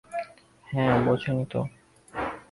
হ্যাঁ, বোঝেনই তো।